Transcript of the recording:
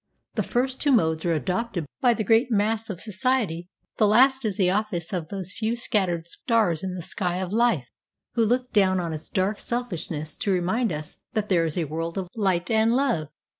The first two modes are adopted by the great mass of society; the last is the office of those few scattered stars in the sky of life, who look down on its dark selfishness to remind us that there is a world of light and love.